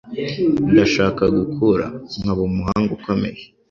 Ndashaka gukura nkaba umuhanga ukomeye.